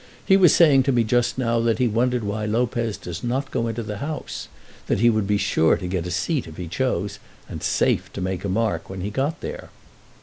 He was saying to me just now that he wondered why Lopez does not go into the House; that he would be sure to get a seat if he chose, and safe to make a mark when he got there."